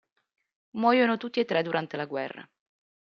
Muoiono tutti e tre durante la guerra.